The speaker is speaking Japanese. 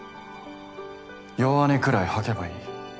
弱音くらい吐けばいい。